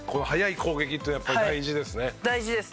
大事です。